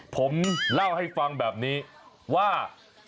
ผมเล่าให้ฟังแบบนี้ว่า